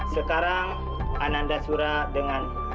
sekarang ananda shura dengan